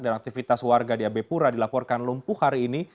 dan aktivitas warga di ab pura dilaporkan lumpuh hari ini